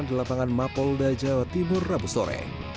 di lapangan mapolda jawa timur rabu sore